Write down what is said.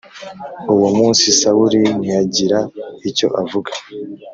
Uwo munsi Sawuli ntiyagira icyo avuga